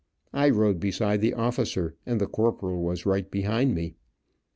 I rode beside the officer, and the corporal was right behind me.